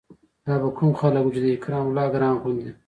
دا به کوم خلق وو چې د اکرام الله ګران غوندې